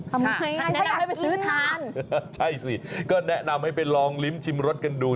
ทำไมแนะนำให้ไปซื้อทานใช่สิก็แนะนำให้ไปลองลิ้มชิมรสกันดู